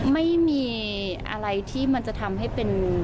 ไม่มีอะไรที่มันจะทำให้เป็น